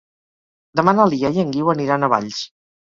Demà na Lia i en Guiu aniran a Valls.